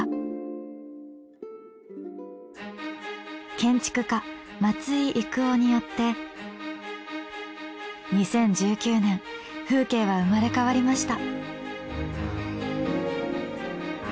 建築家松井郁夫によって２０１９年風景は生まれ変わりました。